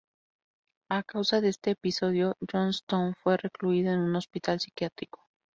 A causa de este episodio, Johnston fue recluido en un hospital psiquiátrico.